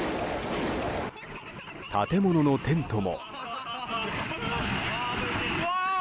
建物のテントも。